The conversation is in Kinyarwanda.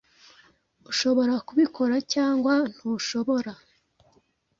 Ushobora kubikora cyangwa Ntushobora